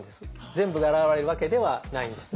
全部が現れるわけではないんですね。